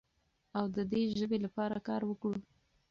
او د دې ژبې لپاره کار وکړو.